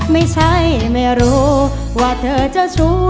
ไม่ใช่ไม่รู้ว่าเธอจะสู้